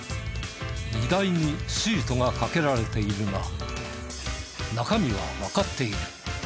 荷台にシートがかけられているが中身はわかっている。